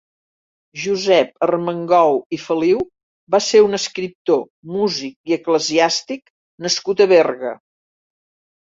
Josep Armengou i Feliu va ser un escriptor, músic i eclesiàstic nascut a Berga.